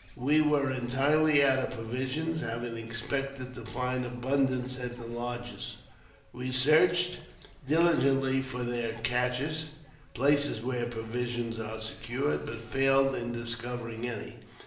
We were entirely out of provisions, having expected to find abundance at the lodges. We searched diligently for their caches fplaces where provisions are secured), but failed in discovering any.